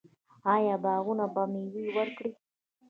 آیا باغونه به میوه ورکړي؟